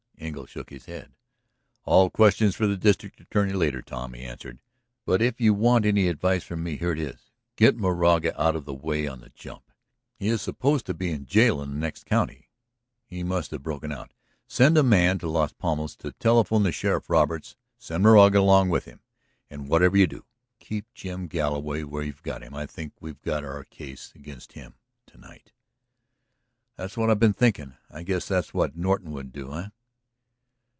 Engle shook his head. "All questions for the district attorney later, Tom," he answered. "But, if you want any advice from me, here it is: Get Moraga out of the way on the jump. He is supposed to be in jail in the next county; he must have broken out. Send a man to Las Palmas to telephone to Sheriff Roberts; send Moraga along with him. And, whatever you do, keep Jim Galloway where you've got him. I think we've got our case against him to night." "That's what I've been thinking. I guess that's what Norton would do, eh?"